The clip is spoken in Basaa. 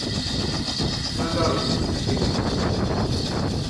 Hyandal mut ni kék.